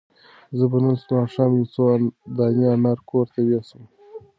زه به نن ماښام یو څو دانې انار کور ته یوسم.